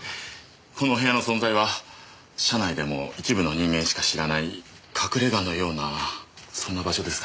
この部屋の存在は社内でも一部の人間しか知らない隠れ家のようなそんな場所ですから。